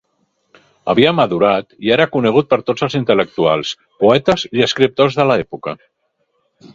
Havia madurat i era conegut per tots els intel·lectuals, poetes i escriptors de l'època.